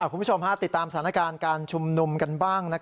คุณผู้ชมติดตามสถานการณ์การชุมนุมกันบ้าง